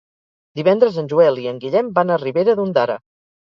Divendres en Joel i en Guillem van a Ribera d'Ondara.